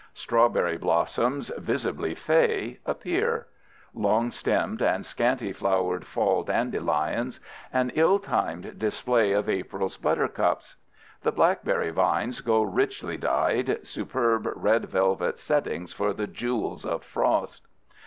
Strawberry blossoms, visibly fey, appear; long stemmed and scanty flowered fall dandelions; an ill timed display of April's buttercups. The blackberry vines go richly dyed—superb red velvet settings for the jewels of frost.